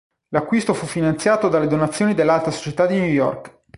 L'acquisto fu finanziato dalle donazioni dell'alta società di New York.